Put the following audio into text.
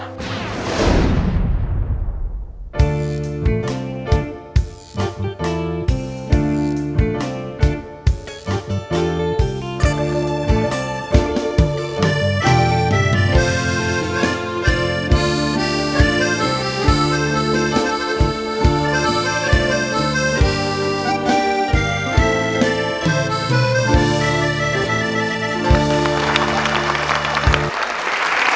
ที่๓ค่า๓๐๐๐๐บาท